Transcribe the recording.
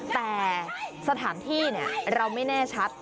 แต่สถานที่เราไม่แน่ชัด